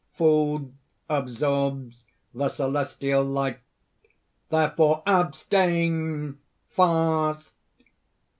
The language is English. Food absorbs the celestial light.... Therefore abstain! fast!"